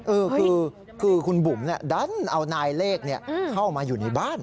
เออคือคุณบุ๋มดันเอานายเลขเข้ามาอยู่ในบ้าน